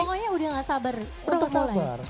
pokoknya udah gak sabar belum mulai